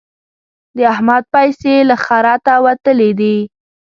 د احمد پيسې له خرته وتلې دي.